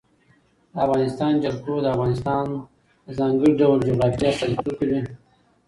د افغانستان جلکو د افغانستان د ځانګړي ډول جغرافیه استازیتوب کوي.